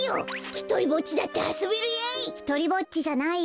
・ひとりぼっちじゃないよ。